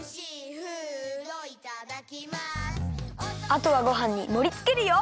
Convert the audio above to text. あとはごはんにもりつけるよ！